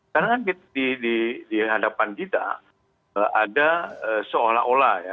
karena kan di hadapan kita ada seolah olah ya